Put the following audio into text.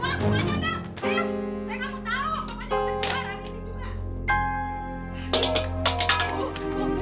saya gak mau tahu